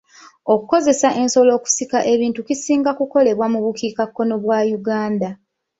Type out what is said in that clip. Okukozesa ensolo okusika ebintu kisinga kukolebwa mu bukiikakkono bwa Uganda.